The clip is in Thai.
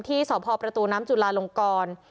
ที่สพประตูน้ำจุลาลงกร